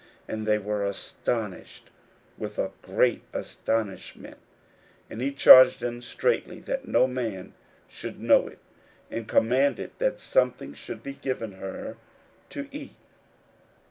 And they were astonished with a great astonishment. 41:005:043 And he charged them straitly that no man should know it; and commanded that something should be given her to eat.